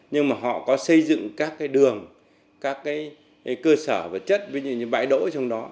nhưng mà họ có xây dựng các cái đường các cái cơ sở vật chất với những bãi đỗ trong đó